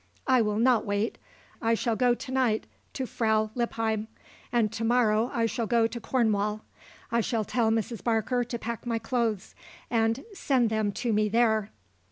"I will not wait. I shall go to night to Frau Lippheim. And to morrow I shall go to Cornwall. I shall tell Mrs. Barker to pack my clothes and send them to me there."